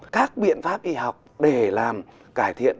các biện pháp y học để làm cải thiện